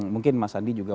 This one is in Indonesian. mungkin mas andi juga